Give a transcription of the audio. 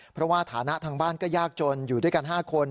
เพราะว่าฐานะทางบ้านก็ยากจนอยู่ด้วยกัน๕คน